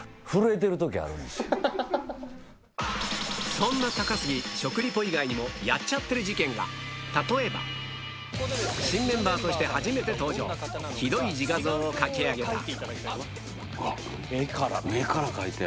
そんな高杉食リポ以外にもやっちゃってる事件が例えば新メンバーとして初めて登場ひどい自画像を描き上げたうわっ目から描いたよ。